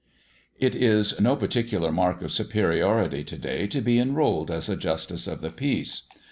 It is no particular mark of superiority to day to be enrolled as a Justice of the Peace.